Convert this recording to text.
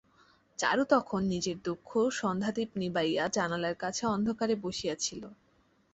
চারু তখন নিজের দুঃখে সন্ধ্যাদীপ নিবাইয়া জানলার কাছে অন্ধকারে বসিয়া ছিল।